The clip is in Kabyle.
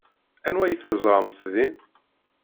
Anwa ay teẓramt din?